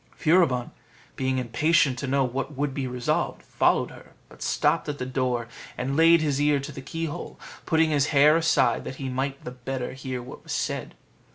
Furibon, being impatient to know what would be resolved, followed her; but stopped at the door, and laid his ear to the keyhole, putting his hair aside that he might the better hear what was said.